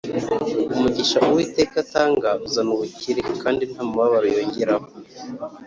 umugisha uwiteka atanga uzana ubukire, kandi nta mubabaro yongeraho